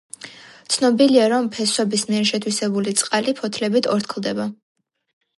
ცნობილია, რომ ფესვების მიერ შეთვისებული წყალი ფოთლებით ორთქლდება.